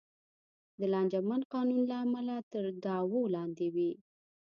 د لانجمن قانون له امله تر دعوو لاندې وې.